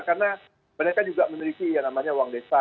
karena mereka juga memiliki yang namanya uang desa